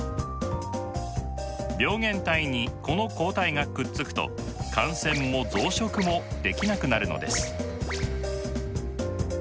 病原体にこの抗体がくっつくと感染も増殖もできなくなるのです。